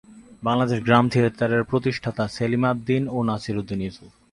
বাংলাদেশ গ্রাম থিয়েটারের প্রতিষ্ঠাতা সেলিম আল দীন ও নাসির উদ্দীন ইউসুফ।